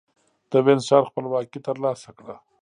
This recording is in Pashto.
د وينز ښار خپلواکي ترلاسه کړه.